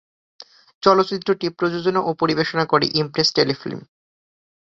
চলচ্চিত্রটি প্রযোজনা ও পরিবেশনা করে ইমপ্রেস টেলিফিল্ম।